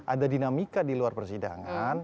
ada dinamika di luar persidangan